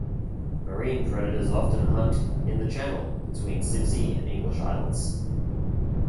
Marine predators often hunt in the channel between Sibsey and English Islands.